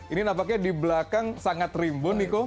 ini nampaknya di belakang sangat rimbun niko